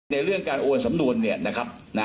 ในเรื่องการโอนสำนวนเนี่ยนะครับ